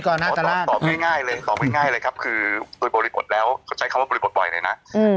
ตอบง่ายละครับคือตัวบริปรุณ์แล้วก็ใช้คำว่าบริปรุณ์บ่อยเลยนะ